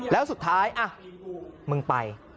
แล้วสุดท้ายมึงไป